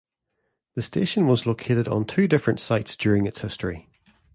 The station was located on two different sites during its history.